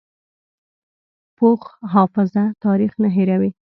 پوخ حافظه تاریخ نه هېروي